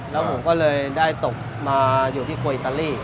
แล้วผมก็เลยได้ตกมาอยู่ที่โคยอิตาลี